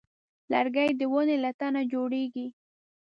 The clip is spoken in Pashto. لرګی د ونې له تنه جوړېږي.